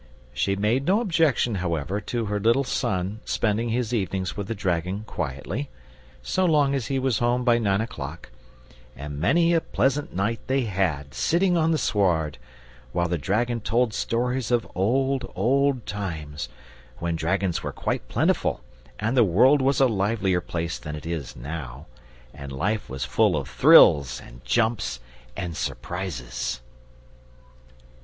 She made no objection, however, to her little son spending his evenings with the dragon quietly, so long as he was home by nine o'clock: and many a pleasant night they had, sitting on the sward, while the dragon told stories of old, old times, when dragons were quite plentiful and the world was a livelier place than it is now, and life was full of thrills and jumps and surprises.